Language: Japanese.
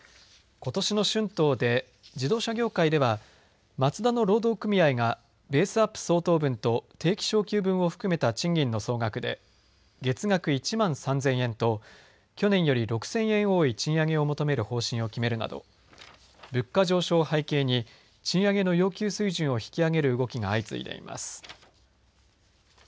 ことしの春闘で自動車業界ではマツダの労働組合がベースアップ相当分と定期昇給分を含めた賃金の総額で月額１万３０００円と去年より６０００円多い賃上げを求める方針を決めるなど物価上昇を背景に賃上げの要求水準を引き上げる動きが相次いでいます。